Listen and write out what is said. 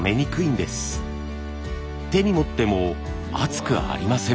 手に持っても熱くありません。